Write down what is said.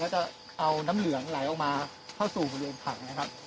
จะเอาน้ำเหลืองไหลออกมาเข้าสู่บริเวณถังนะครับ